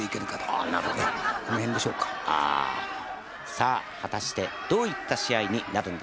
さあ果たしてどういった試合になるんでしょうか？